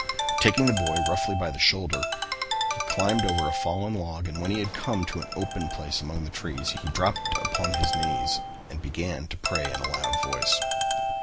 Taking the boy rather roughly by the shoulder, he climbed over a fallen log and when he had come to an open place among the trees he dropped upon his knees and began to pray in a loud voice.